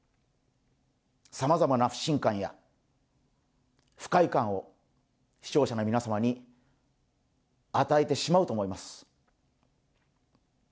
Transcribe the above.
さまざまな不信感や不快感を視聴者の皆様に与えてしまうと思います。